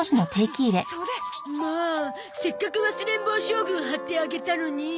んもせっかく忘れん坊将軍貼ってあげたのに。